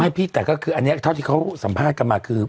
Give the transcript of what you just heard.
พี่แต่ก็คืออันนี้เท่าที่เขาสัมภาษณ์กันมาคือ